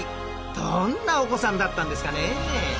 どんなお子さんだったんですかね？